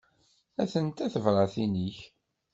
Atent-a tebratin-ik.